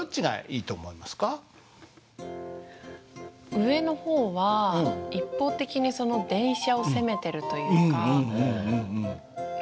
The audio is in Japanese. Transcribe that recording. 上の方は一方的にその電車を責めてるというかハハハハハ。